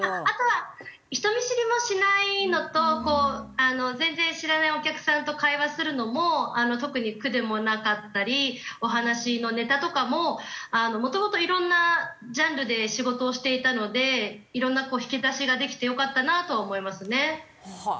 あとは人見知りもしないのとこう全然知らないお客さんと会話するのも特に苦でもなかったりお話のネタとかももともといろんなジャンルで仕事をしていたのでいろんなこう引き出しができてよかったなとは思いますね。